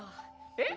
えっ？